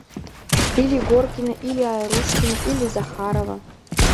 Или Горкина, или Айрушкина, или Захарова...